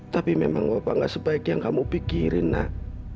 tapi memang bapak gak sebaik yang kamu pikirin nak